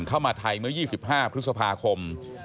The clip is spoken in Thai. เข้ามาไทยเมื่อ๒๕พฤษภาคม